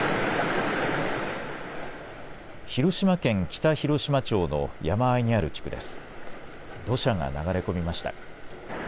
広島県北広島町の山あいにある地区です。